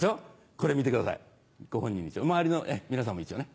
これ見てくださいご本人に周りの皆さんも一応ね。